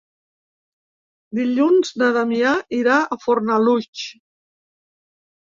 Dilluns na Damià irà a Fornalutx.